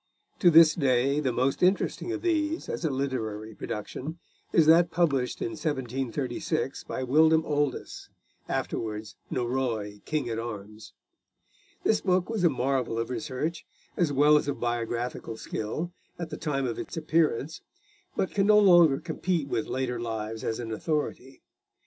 To this day the most interesting of these, as a literary production, is that published in 1736 by William Oldys, afterwards Norroy King at Arms. This book was a marvel of research, as well as of biographical skill, at the time of its appearance, but can no longer compete with later lives as an authority.